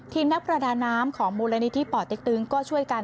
นักประดาน้ำของมูลนิธิป่อเต็กตึงก็ช่วยกัน